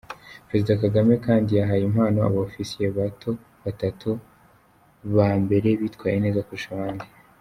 Perezida Kagame kandi yahaye impano abofisiye bato batatu ba mbere bitwaye neza kurusha abandi.